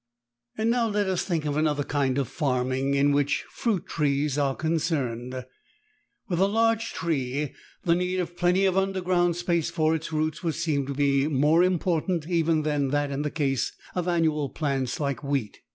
And now let us think of another kind of farming, in which fruit trees are concerned. With a large tree the need of plenty of underground space for its roots would seem to be more important even than in the case of annual plants like wheat.